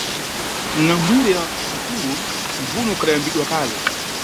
Ngʼambu ire ya mkulo mbvuno ukhadayambidwa kale.